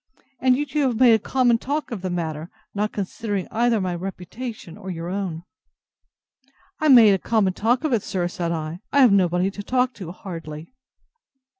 and yet you have made a common talk of the matter, not considering either my reputation, or your own.—I made a common talk of it, sir! said I: I have nobody to talk to, hardly.